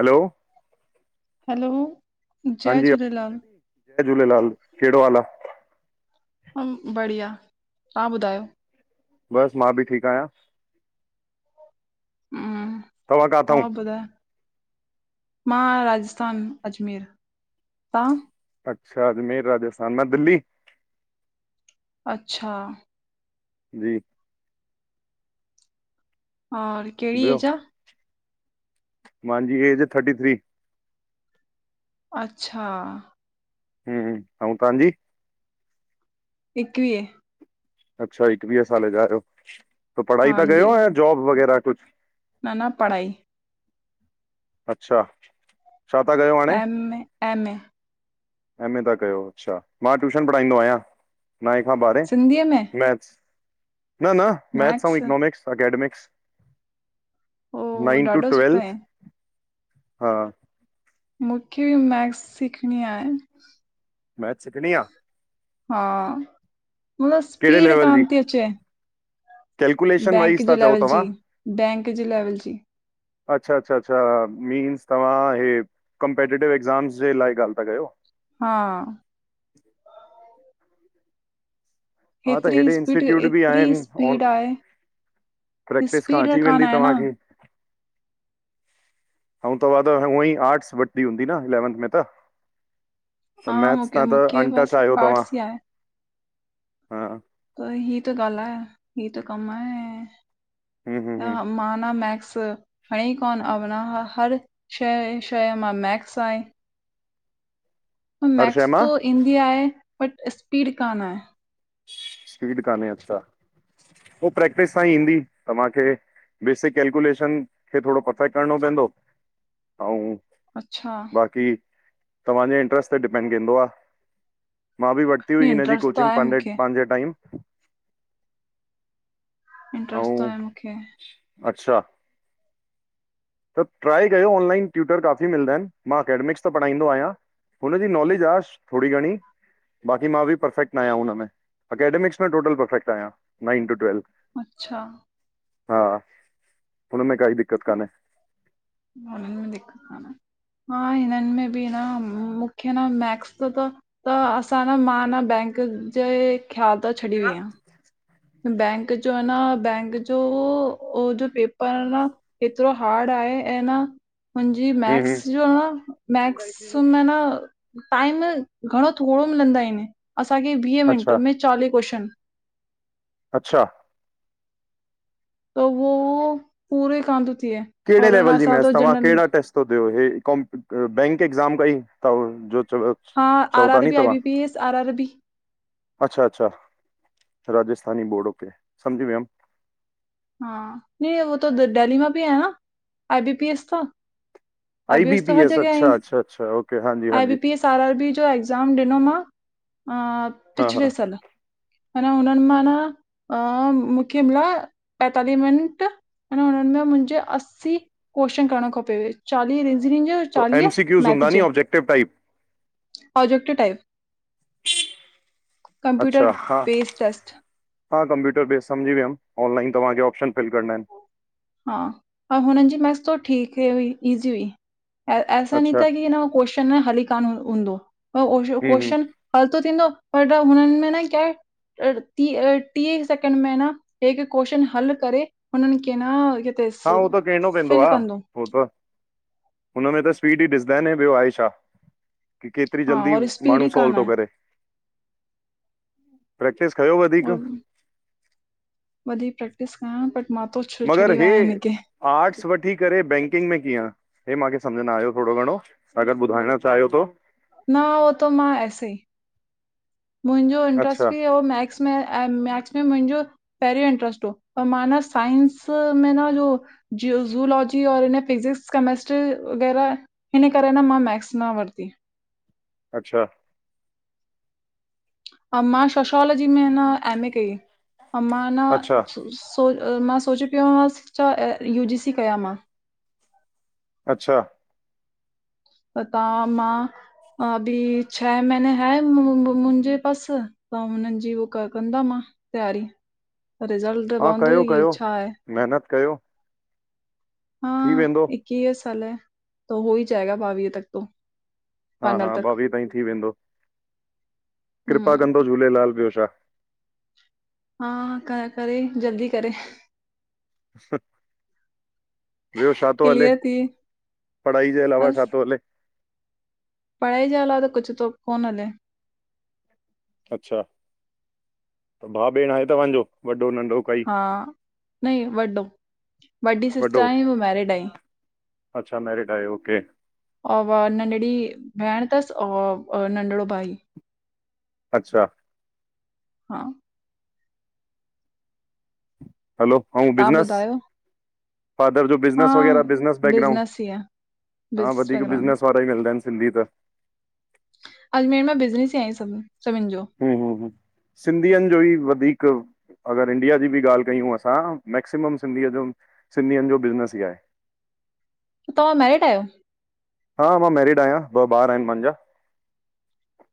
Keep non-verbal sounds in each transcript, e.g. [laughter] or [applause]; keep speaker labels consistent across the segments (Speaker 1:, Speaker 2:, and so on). Speaker 1: हलो।
Speaker 2: Hello.
Speaker 1: हांजी, जय झूलेलाल, कहिड़ो हाल आ?
Speaker 2: हम्म, बढ़िया, तहां ॿुधायो?
Speaker 1: बसि मां बि ठीकु आयां।
Speaker 2: हम्म,
Speaker 1: तव्हां काथां?
Speaker 2: आप ॿुधाय। मां राजस्थान अजमेर, तहां?
Speaker 1: अच्छा, अजमेर राजस्थान मां दिल्ली।
Speaker 2: अच्छा।
Speaker 1: जी।
Speaker 2: और कहिड़ी एज आ?
Speaker 1: मांजी एज थर्टी थ्री।
Speaker 2: अच्छा।
Speaker 1: हम्म, अऊं तांजी?
Speaker 2: एकवीह।
Speaker 1: अच्छा, एकवीह साले जा आहियो, त पढ़ाई
Speaker 2: हां
Speaker 1: ता
Speaker 2: जी,
Speaker 1: कयो या जॉब वग़ैरह कुछु?
Speaker 2: न न पढ़ाई।
Speaker 1: अच्छा। छा पया कयो? हाणे?
Speaker 2: M, M A.
Speaker 1: M A ता कयो अच्छा, मां ट्यूशन पढ़ाईंदो आहियां। नांहें खां ॿारहें,
Speaker 2: सिंधीअ में,
Speaker 1: मैथ्स, न न। मैथ्स अऊं
Speaker 2: मैक्स,
Speaker 1: इकनॉमिक्स अकेडमिक्स।
Speaker 2: ओ
Speaker 1: नाइन टू
Speaker 2: ॾाढो सुठो
Speaker 1: ट्वेल्,
Speaker 2: आहे।
Speaker 1: हा।
Speaker 2: मुखे मैक्स सिखणी आहे।
Speaker 1: म्याथ सिखणी आ?
Speaker 2: हा लो
Speaker 1: कहिड़े
Speaker 2: स्पीड
Speaker 1: लेवल जी
Speaker 2: कानथी अचे।
Speaker 1: कैलकुलेशन
Speaker 2: बैंक
Speaker 1: वाइस था
Speaker 2: जे
Speaker 1: चओ
Speaker 2: लेवल
Speaker 1: तव्हां?
Speaker 2: जी बैंक जे लेवल जी।
Speaker 1: अच्छा अच्छा अच्छा मीन्स तंवा हे। कंपेटेटिव एक्ज़ामस जे लाइ ॻाल था कयो?
Speaker 2: हा।
Speaker 1: हा त
Speaker 2: हेतिरी
Speaker 1: हेॾे
Speaker 2: स्पीड
Speaker 1: इंस्टीट्यूट बि आहे
Speaker 2: एतिरी
Speaker 1: नी ऑन।
Speaker 2: स्पीड आहे
Speaker 1: प्रैक्टिस खां
Speaker 2: स्पीड
Speaker 1: अची
Speaker 2: कान
Speaker 1: वेंदी
Speaker 2: आहे न
Speaker 1: तव्हांखे। आऊ तंवा त हूअं ई आर्टस वठिं हूंदी न इलैवंथ में त? त
Speaker 2: हा
Speaker 1: मैथ्स त
Speaker 2: मूंखे
Speaker 1: त
Speaker 2: मूंखे
Speaker 1: अंटा
Speaker 2: बसि
Speaker 1: चाह्यो तव्हां।
Speaker 2: आर्ट्स ई आहे
Speaker 1: हा हम्म
Speaker 2: त ही त ग़ालायां हि त कमायांय।
Speaker 1: हम्म हम्म
Speaker 2: ह माना मैक्स। खणी कोन अवना हर शइ शइ मां मैक्स आहे। पर
Speaker 1: हर शइ
Speaker 2: मैक्स
Speaker 1: मां
Speaker 2: त ईंदी आहे बट स्पीड कान आहे।
Speaker 1: स्पीड कान्हे अच्छा उ प्रैक्टिस सां ई ईंदी तव्हांखे। बेसिक केल्कुलेशन खे थोरो परफेक्ट करणो पवंदो आऊ।
Speaker 2: अच्छा
Speaker 1: बाक़ी तव्हांजे इंट्रस्ट ते डिपेंड गिंदो आ मां बि वठ। हुई
Speaker 2: हीअ
Speaker 1: हिनजी
Speaker 2: इंट्रस्ट त
Speaker 1: कोचिंगे
Speaker 2: आहे
Speaker 1: पांजे
Speaker 2: मूंखे
Speaker 1: पंहिंजे टाइम। ऐं
Speaker 2: इंट्रस्ट त आहे मूंखे।
Speaker 1: अच्छा। त ट्राए कयो ऑनलाइन ट्यूटर काफ़ी मिलंदाइन मां एकेडेमिक्स त पढ़ाईंदोआयां। हुनजी नॉलेज आ थोरी घणी। बाक़ी मां बि परर्फेक्ट न आयां हुनमें अकेडेमिक्स में टोटल परफेक्ट आयां नाइन टू ट्वेल्व।
Speaker 2: अच्छा।
Speaker 1: हा हुनन में काई दिकक़त कान हे।
Speaker 2: उन दिख दा न। हा हिनन में बि ह मूंखे न मैक्स त त। त असां न मां न बैंक जे ख़्याल त छॾी वईयां।
Speaker 1: हम्म
Speaker 2: बैंक जो आ न बैंक जो उह जो पेपर आ न। एतरो हार्ड आहे ऐं न। हूँजी मैक्स
Speaker 1: हम्म,
Speaker 2: जो न मैक्स में न। टाइम घणो थोरो मिलंदा आहिन असांखे वीह मिंट
Speaker 1: अच्छा
Speaker 2: में चालीह कूएस्शन।
Speaker 1: अच्छा।
Speaker 2: त वो पूरे कांन तो थिए।
Speaker 1: केहड़े
Speaker 2: और अञा
Speaker 1: लेवल जी
Speaker 2: असां
Speaker 1: मैच
Speaker 2: त
Speaker 1: तव्हां
Speaker 2: जनरल
Speaker 1: केहड़ा टेस्ट। तो ॾे हे कम बैंक ए्ज़ाम कई थव जो चव।
Speaker 2: हा R R B I B P S R R B.
Speaker 1: अच्छा अच्छा राजस्थानी बोर्डो पे समझी वयोम।
Speaker 2: हा न उ त डेली मां बि आयां न आई बी पी एस त।
Speaker 1: आई बी
Speaker 2: आईबीएस त
Speaker 1: पी
Speaker 2: हर
Speaker 1: एस
Speaker 2: जॻहि
Speaker 1: अच्छा अच्छा अच्छा ओके हां जी हां जी।
Speaker 2: आर आर बी जो एक्ज़ाम ॾिनो मां अं
Speaker 1: हा हा
Speaker 2: पिछले साल। अना हुनन म न अ मूंखे ना पतांलीह मिंट। अंन हुनन में मुंजे असी क्येसंन करनो खपे चालीह। हिनन्जो चालीह मैथ जे।
Speaker 1: ट टाइप।
Speaker 2: Positive type. कंप्यूटर
Speaker 1: अच्छा हा।
Speaker 2: बेस्ड टेस्ट
Speaker 1: ह कप्यूटर बेस समझी वियम ऑनलाइन तवाँखे ऑपशन फिल करणा आहिन।
Speaker 2: हा त हुन जी मेथस त ठीक हुई ईजी हुई ऐसा नई
Speaker 1: अच्छा,
Speaker 2: था की ह न। कोशन हली कान हूंदो अं
Speaker 1: हम्म हम्म,
Speaker 2: कोस्संन। हल त थींदो पर द हुनन में न क्या है? टिह टीह सेकेंड में न हेक कोश्चन हल करे हुनन खे न। किथे
Speaker 1: हा हो त कहणो पवंदो
Speaker 2: फिल
Speaker 1: आ,
Speaker 2: कंदो
Speaker 1: हो त, हुनमें त स्पीड ई ॾिसदा न ब्यो आहे छा? की केतरी
Speaker 2: हा
Speaker 1: जल्दी
Speaker 2: और स्पीड
Speaker 1: माण्हू
Speaker 2: ई
Speaker 1: सोल्व
Speaker 2: कान
Speaker 1: तो
Speaker 2: आहे
Speaker 1: करे। प्रेक्टीस कयो वधीक।
Speaker 2: और वधीक प्रैक्टिस कयां बट्।
Speaker 1: मगर हे आर्ट्स वठी करे बैंकिंग में कीअं? हे माखे सम्झ न आयो थोरो घणो अगर ॿुधाइण चायो तो?
Speaker 2: न हो त मां ऐसे ई। मुंहिंजो इंट्रस्ट
Speaker 1: अच्छा
Speaker 2: बि ओह मैक्स में अए मैक्स में मुंहिंजो। पेहेरयों इंट्र्स्ट हो पर मा न साइंस में न जो। ज्यूजलॉजी और हिन फिजिक्स कमिस्ट्री वग़ैरह। हिन करे न मां मैक्स न वरती।
Speaker 1: अच्छा।।
Speaker 2: अ मां सोशोलॉजी में न एम ए कई अ मां न
Speaker 1: अच्छा
Speaker 2: सुस्। सो मां सोचे पयो मां छा यू जी सी कयां मां।
Speaker 1: अच्छा।
Speaker 2: पता मां अभी छ महीने है मुंजे पस। त हुनन जी उ कंदा मां तयारी रिसल्ट त पवंदो ई छा आहे
Speaker 1: मेहेनत कयो। थी वेंदो।
Speaker 2: इकीह साल त हो ई जाएग़ा ॿावीह तक तो।
Speaker 1: हा
Speaker 2: फाइनल
Speaker 1: हा
Speaker 2: तक
Speaker 1: ॿावीह ताईं थी वेंदो, कृपा
Speaker 2: हम्म
Speaker 1: कंदो झूलेलाल ब्यो छा।
Speaker 2: हा, क करे जल्दी करे।
Speaker 1: सूट। ब्यो छा तो हले,
Speaker 2: क्लियर थी
Speaker 1: पढ़ाई जे अलावा छा तो हले?
Speaker 2: पढाई जे अलावा त कुछ तो कोन हले।
Speaker 1: अच्छा, त भा भेण आहे तव्हांजो वॾो नंढो? काई
Speaker 2: हा, न वॾो वॾी सिस्टर
Speaker 1: वॾो
Speaker 2: आइं उ मैरिड आईं।
Speaker 1: अच्छा मैरिड आहे ओके।
Speaker 2: नंढड़ी भेण थस औ नंढिड़ो भाई।
Speaker 1: अच्छा।
Speaker 2: हा।
Speaker 1: हलो आऊ
Speaker 2: तव्हां
Speaker 1: बिज़नस
Speaker 2: ॿुधायो
Speaker 1: फादर जो।
Speaker 2: हा
Speaker 1: बिसनस वग़ैरा बिसनस बेकग्राउंड,
Speaker 2: बिजनेस ई आहे
Speaker 1: हा
Speaker 2: बिजनेस
Speaker 1: वधीक
Speaker 2: बैकग्राउंड
Speaker 1: बिजनस वारा ई गल्दाइंन सिंधी त।
Speaker 2: अजमेर मां बिज़नेस ई आहीं सभ सभिन जो।
Speaker 1: हूं हूं हूं सिंधियन जो ई वधीक। अगर इंडिया जी बि ॻाल कयूं असां मैक्सिमम सिंधीअ जो सिंधियन जो बिज़नेस ई आहे।
Speaker 2: तव्हां मैरिड आयो?
Speaker 1: हा मां मैरिड आहियां ॿ ॿार आहिन मुंजा।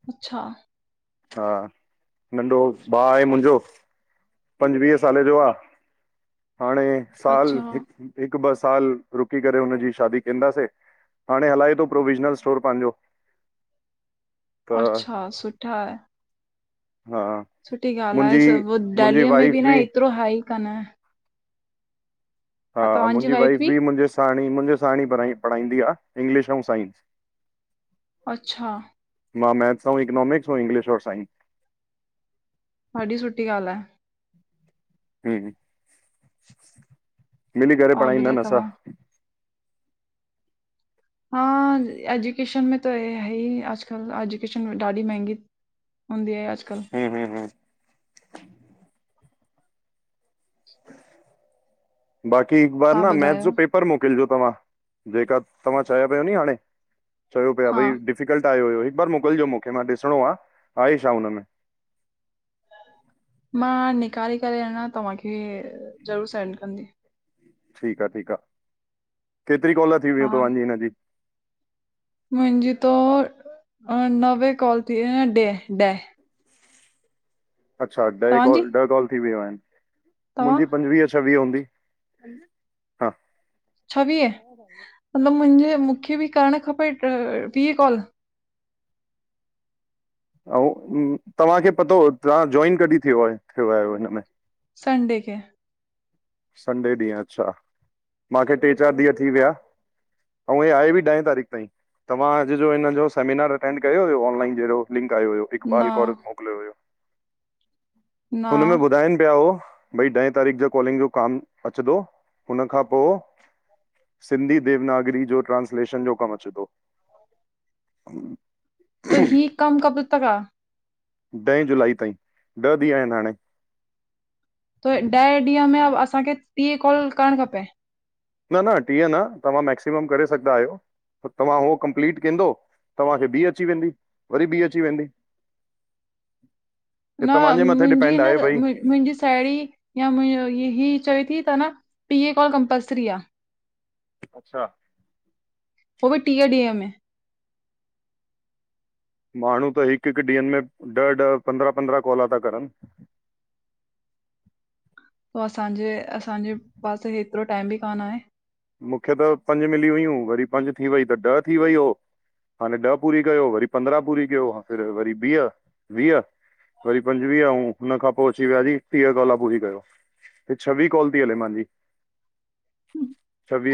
Speaker 2: अच्छा।
Speaker 1: हा, नंढो भा आहे मुंहिंजो। पंजुवीह साले जो आ, हाणे साल
Speaker 2: अच्छा
Speaker 1: हिकु हिकु ॿ साल रुकी करे हुनजी शादी कंदासे हाणे हलाए थो प्रोविजनल स्टोर पांहिजो।
Speaker 2: अच्छा सुठा आहे।
Speaker 1: हा।
Speaker 2: सुठी ॻाल्हि आहे
Speaker 1: मुंहिंजी
Speaker 2: सब
Speaker 1: मुंहिंजी
Speaker 2: डैलीअ में
Speaker 1: वाइफ
Speaker 2: बि न एतिरो हाई कान
Speaker 1: हा, मुंहिंजी वाइफ बि मुंहिंजे साण ही मुंहिंजे साण ही पढ़ाई पढ़ाईंदी आ इंग्लिश अंऊँ साइंस।
Speaker 2: अच्छा।
Speaker 1: मां मैथ्स अंऊँ इकनॉमिक्स हो इंगलिश और साइंस
Speaker 2: ॾाढी सुठी ॻाल्ह आहे।
Speaker 1: हूं मिली करे
Speaker 2: और ॿुधाए
Speaker 1: पढ़ाईंदान असां
Speaker 2: तव्हां हा एजुकेशन में त हे हई अॼकल्ह एजुकेशन ॾाढी मेंहगी हूंदी आहे अॼकल्ह
Speaker 1: हूं, हूं बाक़ी हिकु बार
Speaker 2: तव्हां
Speaker 1: न मैथ्स जो
Speaker 2: ॿुधायो
Speaker 1: पेप पर मोकिलजो तव्हां जेका तव्हां चया पियो नी हाणे, चयो पिया
Speaker 2: हा
Speaker 1: भई डिफिकल्ट आयो हुयो। हिकु बार मोकिलिजो मूंखे ॾिसणो आ आहे छा हुन में
Speaker 2: मां निकारे करे ह ना तव्हांखे ज़रूरु सेंड कंदी
Speaker 1: ठीकु आहे, ठीकु आहे, केतिरी कॉल थी वयूँ
Speaker 2: हा
Speaker 1: तव्हांजी हिनजी?
Speaker 2: मुंहिंजी तो अं नवे कॉल थी वयूं हन डे ॾ
Speaker 1: अच्छा ॾह
Speaker 2: तव्हांजी
Speaker 1: कॉल ॾह कॉल थी वियूं आहिनि
Speaker 2: तव्हां
Speaker 1: मुंहिंजी पंजवीह-छवीह हूंदी हा
Speaker 2: छवीह मतलब मुंहिंजे मूंखे बि करणु खपे अ वीह कॉल
Speaker 1: अंऊँ तव्हांखे पतो तव्हां जॉइन कॾहिं थियो आहे थियो आहियो हिनमें
Speaker 2: संडे खेे
Speaker 1: संडे ॾींहुं अच्छा, माखे टे-चारि ॾींहं थी विया अंऊँ हे आहे बि ॾहें तारीख़ ताईं तव्हां अॼु जो हिन जो सेमिनार अटेंड कयो हुयो, ऑनलाइन जहिड़ो लिंक आयो हुयो
Speaker 2: न
Speaker 1: इकबाल कौर मोकिलियो हुयो,
Speaker 2: न
Speaker 1: हुनमें ॿुधाइनि पिया हो भई ॾहें तारीख़ जो कॉलिंग जो काम अचदो, हुन खां पो सिंधी देवनागरी जो ट्रांस्लेशन जो कमु अचे थो हूं
Speaker 2: त ही कम कब तक आ?
Speaker 1: ॾहीं जुलाई ताईं, ॾह ॾींहं आहिनि हाणे
Speaker 2: त ॾह ॾींहं में असांखे टीह कॉल करणु खपे
Speaker 1: न, न टीह न तव्हां मैक्सिमम करे सघदा आहियो तव्हां हो कंप्लीट केंदो, तव्हांखे ॿी अची वेंदी, वरी ॿी अची वेंदी [inaudible]
Speaker 2: न
Speaker 1: तव्हांजे मथे
Speaker 2: मुंहिंजी
Speaker 1: डिपेंड
Speaker 2: न
Speaker 1: आहे भई
Speaker 2: मुंहिंजी साहेड़ी या मुंहिंज ही ही चवे थी त न टीह कॉल कमपलसरी आ
Speaker 1: अच्छा
Speaker 2: हो बि टीह ॾींहं में
Speaker 1: माण्हू त हिकु, हिकु ॾींहंनि में ॾह-ॾह, पंद्रहं-पंद्रहं कॉला था करनि
Speaker 2: पो असांजे, असांजे पासे हेतिरो टाइम बि कान आहे
Speaker 1: मूंखे त पंज मिली हुयूं वरी पंज थी वई त ॾह थी वई हो हाणे ॾह पूरी कयो वरी पंद्रहं पूरी कयो फिर वरी वीह वीह वरी पंजवीह ऐं हुन खां पोइ अची वियासीं टीह काॅला पूरी कयो छवी कॉल थी हले मुहिंजी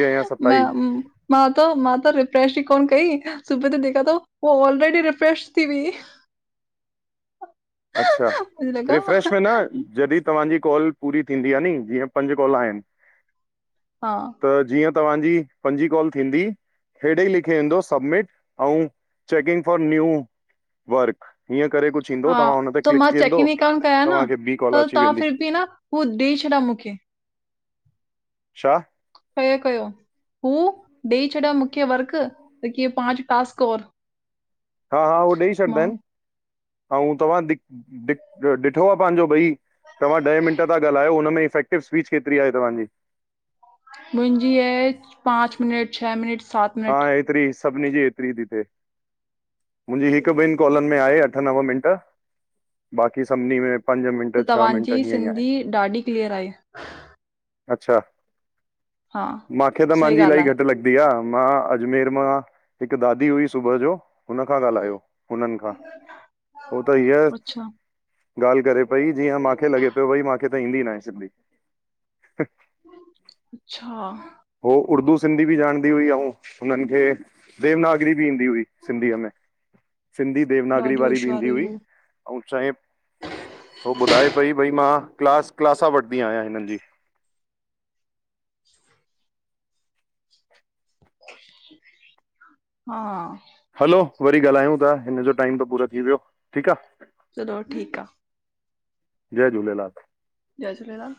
Speaker 1: या
Speaker 2: न
Speaker 1: सतावीह
Speaker 2: हम मां त मां त रिफ्रेश ई कोन कई सुबुह त ॾेखां थो पोइ ऑलरेडी रिफ्रेश थी हुई
Speaker 1: अच्छा
Speaker 2: मुंहिंजे लॻा
Speaker 1: रिफ्रेश में न जॾहि तव्हांजी कॉल पूरी थींदी आहे नी जीअं पंज कॉल आहिन
Speaker 2: हा
Speaker 1: त जीअं तव्हांजी पंजी कॉल थींदी हेॾे लिखे ईंदो सब्मिट ऐं चैकिंग फॉर न्यू वर्क हीअं करे कुझु ईंदो
Speaker 2: हा
Speaker 1: तव्हां हुन ते
Speaker 2: त
Speaker 1: क्लिक
Speaker 2: मां चैक
Speaker 1: कंदो
Speaker 2: इन ई कन कयां न
Speaker 1: तव्हांखे ॿी कॉल
Speaker 2: त
Speaker 1: अची
Speaker 2: तव्हां
Speaker 1: वेंदी
Speaker 2: फिर बि न हू ॾेई छॾा मूंखे
Speaker 1: छा
Speaker 2: कयो कयो हू ॾेई छॾां मूंखे वर्क त कीअ पांच टास्क और
Speaker 1: हा हा उह ॾेई छॾींदा
Speaker 2: मां
Speaker 1: आहिन ऐं तव्हां दि ॾिठो आहे पंहिंजो भई तव्ह ॾह मंट था ॻालायो हुन में इफेक्टिव स्पीच केतिरी आहे तव्हांजी
Speaker 2: मुहंजी आहे पांच मिनट छह मिनट सात
Speaker 1: हा
Speaker 2: मिनट
Speaker 1: एतरी सभिन जी एतिरी थी अचे मुंहिंजी हिक ॿिन कॉलन में आहे अठ नव मिंट बाक़ी सभिनी में पंज
Speaker 2: त
Speaker 1: मिंट छह मिंट
Speaker 2: तव्हांजी
Speaker 1: हीअं ई आहे
Speaker 2: सिंधी ॾाढी क्लीयर आहे
Speaker 1: अच्छा
Speaker 2: हा
Speaker 1: माखे त
Speaker 2: सही
Speaker 1: मुहिंजी
Speaker 2: ॻाल्हि
Speaker 1: इलाही
Speaker 2: आहे
Speaker 1: घट लॻ दि आं मां अजमेर मां हिक ॾाॾी हुई सुबह जो हुन खां ॻाल्हायो हुनन खां हो त हीअ
Speaker 2: अच्छा
Speaker 1: ॻाल्ह करे पई जीअं माखे लॻे पियो भई माखे त ईंदी नाहे सिंधी
Speaker 2: अच्छा
Speaker 1: हो उर्दू सिंधी बि जाणे ईंदो [unintelligible] अहु हुनन खे देवनागरी बि ईंदी हुई सिंधीअ में सिंधी देवनागरी
Speaker 2: ॾाढी
Speaker 1: वारी बि ईंदी
Speaker 2: होशियारु
Speaker 1: हुई
Speaker 2: हू
Speaker 1: ऐं चहे हो ॿुधाए पई भई मां क्लास क्लासा वठंदी आहियां हिनन जी
Speaker 2: हा
Speaker 1: हलो वरी ॻाल्हायूं था हिन जो टाइम त पूरो थी वियो ठीक आहे
Speaker 2: चलो [unintelligible] ठीक आहे
Speaker 1: जय झूलेलाल
Speaker 2: जय झूलेलाल